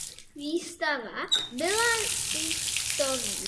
Výstava byla putovní a cestovala po několika velkých městech po České republice.